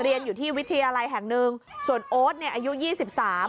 เรียนอยู่ที่วิทยาลัยแห่งหนึ่งส่วนโอ๊ตเนี่ยอายุยี่สิบสาม